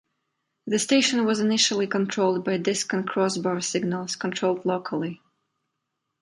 The station was initially controlled by disc-and-crossbar signals controlled locally.